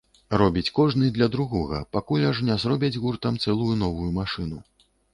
Робіць кожны для другога, пакуль аж не зробяць гуртам цэлую новую машыну.